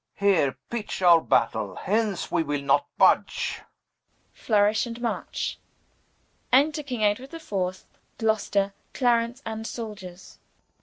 Here pitch our Battaile, hence we will not budge. Flourish, and march. Enter Edward, Richard, Clarence, and Souldiers.